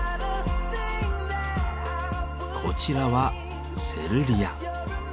こちらは「セルリア」。